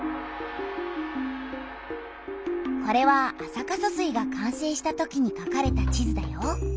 これは安積疏水が完成したときにかかれた地図だよ。